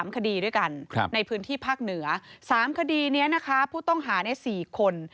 ๓คดีด้วยกันในพื้นที่ภาคเหนือ๓คดีนี้นะคะผู้ต้องหาใน๔คน